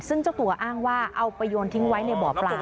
ซึ่งเจ้าตัวอ้างว่าเอาไปโยนทิ้งไว้ในบ่อปลา